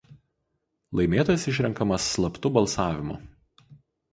Laimėtojas išrenkamas slaptu balsavimu.